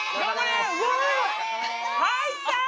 入った！